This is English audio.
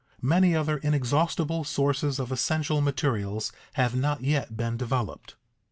_Many other inexhaustible sources of essential materials have not yet been developed.